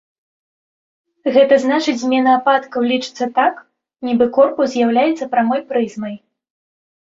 Гэта значыць змена ападкаў лічыцца так, нібы корпус з'яўляецца прамой прызмай.